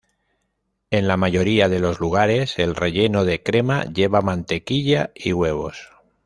En la mayoría de los lugares, el relleno de crema lleva mantequilla y huevos.